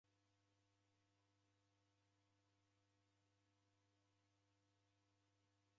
Dikaghenda hotelinyi na apa.